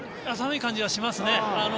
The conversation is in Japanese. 寒い感じはしますね。